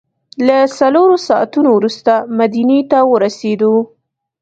له څلورو ساعتو وروسته مدینې ته ورسېدو.